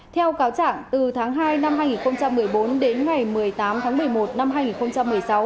theo cáo chẳng từ tháng hai năm hai nghìn một mươi bốn đến ngày một mươi tám tháng một mươi một năm hai nghìn một mươi sáu